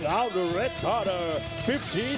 สวัสดีครับทุกคน